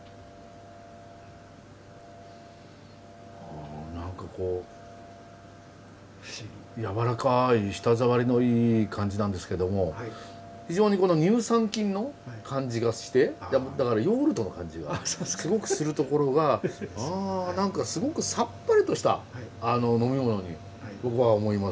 あ何かこうやわらかい舌触りのいい感じなんですけども非常にこの乳酸菌の感じがしてだからヨーグルトの感じがすごくするところが何かすごくさっぱりとした飲み物に僕は思います。